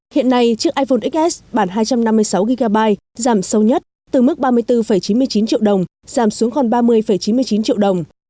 hiện nay chiếc iphone xs bản hai trăm năm mươi sáu gb giảm sâu nhất từ mức ba mươi bốn chín mươi chín triệu đồng giảm xuống còn ba mươi chín mươi chín triệu đồng